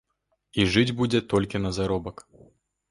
І жыць будзе толькі на заробак.